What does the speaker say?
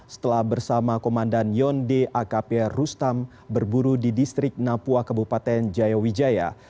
setelah bersama komandan yon d akapia rustam berburu di distrik napua kebupaten jayawijaya